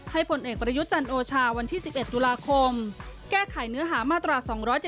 ผลเอกประยุทธ์จันโอชาวันที่๑๑ตุลาคมแก้ไขเนื้อหามาตรา๒๗๒